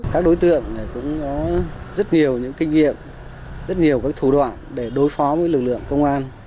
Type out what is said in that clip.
các đối tượng cũng có rất nhiều những kinh nghiệm rất nhiều các thủ đoạn để đối phó với lực lượng công an